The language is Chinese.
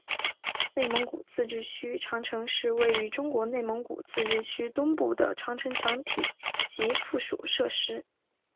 内蒙古自治区长城是位于中国内蒙古自治区东部的长城墙体及附属设施。